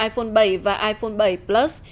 iphone bảy và iphone bảy plus